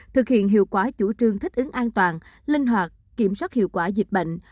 thực hiện hiệu quả chủ trương thích ứng an toàn linh hoạt kiểm soát hiệu quả dịch bệnh